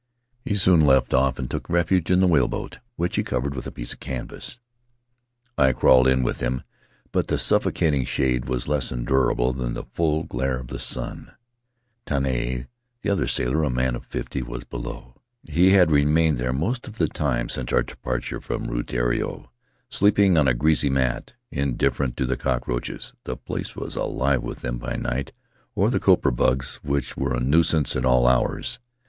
He soon left off and took refuge in the whaleboat, which he covered with a piece of canvas. I crawled in with him, but the suffocating shade was less endurable than the full glare of the sun. Faery Lands of the South Seas Tane, the other sailor, a man of fifty, was below. He had remained there most of the time since our departure from Rutiaro, sleeping on a greasy mat, indifferent to the cockroaches — the place was alive with them by night — or the copra bugs, which were a nuisance at all hours.